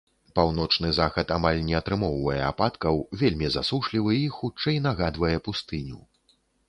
Паўночны захад амаль не атрымоўвае ападкаў, вельмі засушлівы і, хутчэй, нагадвае пустыню.